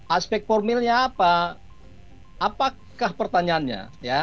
aspek formilnya apa apakah pertanyaannya